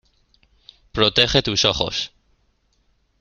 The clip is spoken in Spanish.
¡ Protege tus ojos!